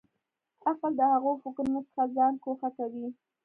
عقل د هغو فکرونو څخه ځان ګوښه کوي.